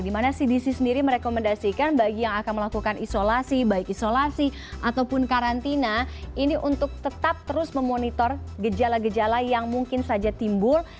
dimana cdc sendiri merekomendasikan bagi yang akan melakukan isolasi baik isolasi ataupun karantina ini untuk tetap terus memonitor gejala gejala yang mungkin saja timbul